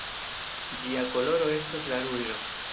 Ĝia koloro estas la ruĝo.